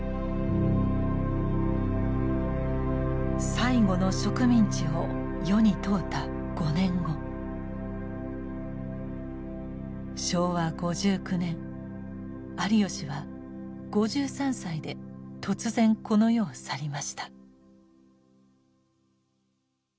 「最後の植民地」を世に問うた５年後昭和５９年有吉は５３歳で突然この世を去りました。